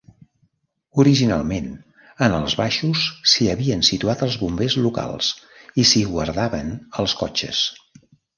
Originalment en els baixos s'hi havien situat els bombers locals i s'hi guardaven els cotxes.